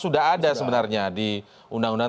sudah ada sebenarnya di undang undang